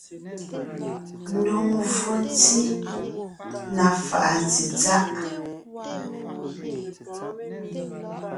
Ndùŋmvfò ntí (na fàʼa tsetsáʼ).